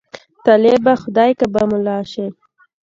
طالبه! خدای که به ملا شې.